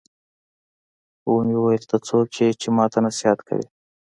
ومې ويل ته څوک يې چې ما ته نصيحت کوې.